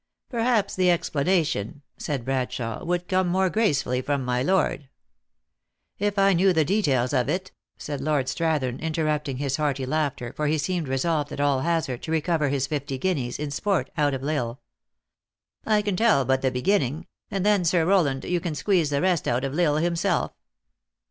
" Perhaps the explanation," said Bradshawe, " would come more gracefully from my lord." " If I knew the details of it," said Lord Strathern, interrupting his hearty laughter, for he seemed re solved, at all hazard, to recover his fifty guineas, in sport, out of L Isle. "lean tell but the beginning; and then, Sir Rowland, you can squeeze the rest out of L Isle himself."